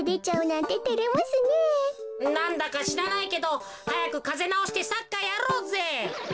なんだかしらないけどはやくカゼなおしてサッカーやろうぜ。